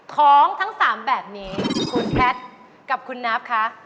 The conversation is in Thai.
ของทั้ง๓แบบนี้คุณแพทย์กับคุณนับคะ